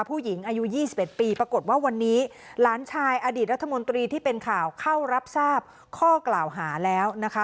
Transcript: ผู้หญิงอายุ๒๑ปีปรากฏว่าวันนี้หลานชายอดีตรัฐมนตรีที่เป็นข่าวเข้ารับทราบข้อกล่าวหาแล้วนะคะ